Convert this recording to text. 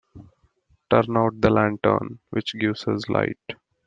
Turn out the lantern which gives us light.